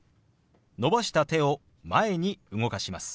伸ばした手を前に動かします。